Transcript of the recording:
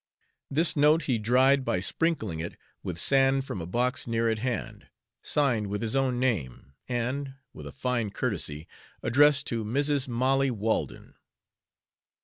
This note he dried by sprinkling it with sand from a box near at hand, signed with his own name, and, with a fine courtesy, addressed to "Mrs. Molly Walden."